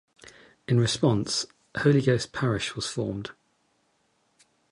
In response Holy Ghost parish was formed.